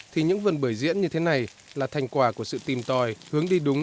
thì những vườn bưởi diễn như thế này là thành quả của sự tìm tòi hướng đi đúng